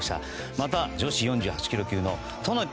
また女子４８ｋｇ級の渡名喜